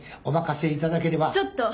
ちょっと。